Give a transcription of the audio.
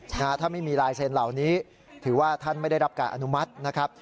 ถ้าไม่มีลายเซ็นต์เหล่านี้ถือว่าท่านไม่ได้รับการอนุมัตินะครับ